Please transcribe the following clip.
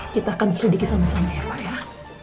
kita akan selidiki sama sama ya pak ya